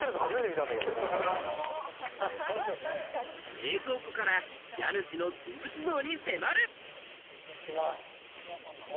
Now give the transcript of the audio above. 冷蔵庫から家主の人物像に迫る。